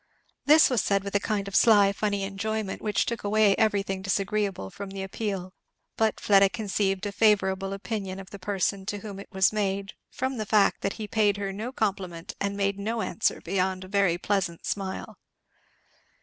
This was said with a kind of sly funny enjoyment which took away everything disagreeable from the appeal; but Fleda conceived a favourable opinion of the person to whom it was made from the fact that he paid her no compliment and made no answer beyond a very pleasant smile.